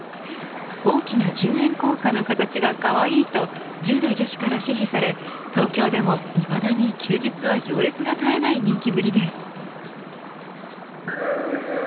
大きな１０円硬貨の形がかわいいと１０代女子から支持され東京でも、いまだに休日は行列が絶えない人気ぶりです。